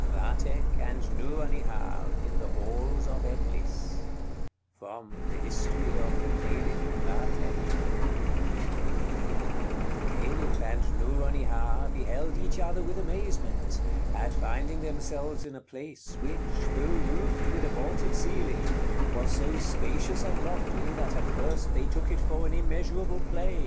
VATHEK AND NOURONIHAR IN THE HALLS OF EBLIS From 'The History of the Caliph Vathek' The Caliph and Nouronihar beheld each other with amazement, at finding themselves in a place which, though roofed with a vaulted ceiling, was so spacious and lofty that at first they took it for an immeasurable plain.